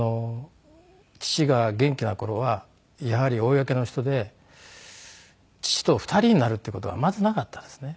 父が元気な頃はやはり公の人で父と２人になるっていう事はまずなかったですね。